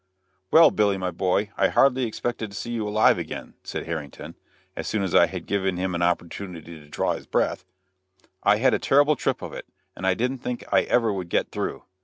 "Well, Billy, my boy, I hardly expected to see you alive again," said Harrington, as soon as I had given him an opportunity to draw his breath; "I had a terrible trip of it, and I didn't think I ever would get through.